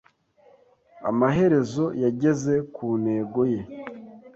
Amaherezo yageze ku ntego ye.